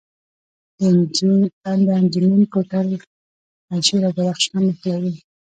د انجمین کوتل پنجشیر او بدخشان نښلوي